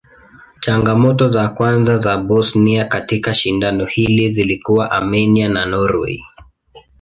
Changamoto za kwanza za Bosnia katika shindano hili zilikuwa Armenia na Norway.